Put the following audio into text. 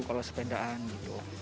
kalau sepedaan gitu